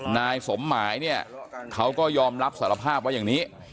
นายสมหมายเนี่ยเขาก็ยอมรับสารภาพว่าอย่างนี้